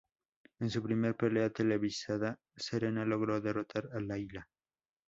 En su primer pelea televisada, Serena logró derrotar a Layla.